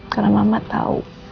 karena mama tau